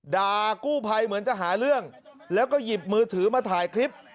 ด่ากู้ภัยเหมือนจะหาเรื่องแล้วก็หยิบมือถือมาถ่ายคลิป